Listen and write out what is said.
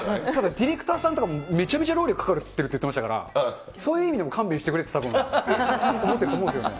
ディレクターさんとかめちゃくちゃ労力かかってるって言ってましたから、そういう意味でも勘弁してくれと思ってると思うんですよね。